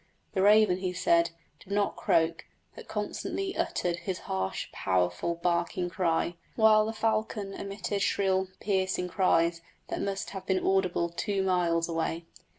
The raven, he said, did not croak, but constantly uttered his harsh, powerful, barking cry, while the falcon emitted shrill, piercing cries that must have been audible two miles away.